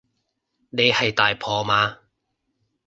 你係大婆嘛